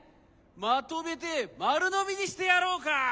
まとめてまるのみにしてやろうか！